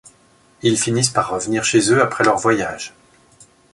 Ils finissent par revenir chez eux après leur voyage.